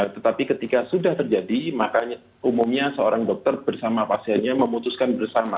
tetapi ketika sudah terjadi maka umumnya seorang dokter bersama pasiennya memutuskan bersama